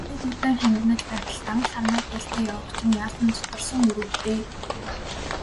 Өвлийн хүйтэн хангинаж байтал, дан сармай дээлтэй явах чинь яасан зутарсан үр вэ дээ.